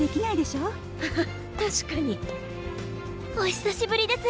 お久しぶりです